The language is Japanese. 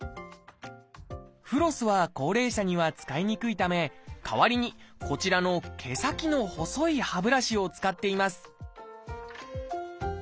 フロスは高齢者には使いにくいため代わりにこちらの毛先の細い歯ブラシを使っています